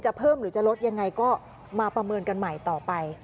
เพิ่มหรือจะลดยังไงก็มาประเมินกันใหม่ต่อไป